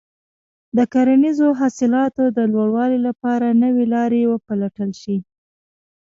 د کرنیزو حاصلاتو د لوړوالي لپاره نوې لارې وپلټل شي.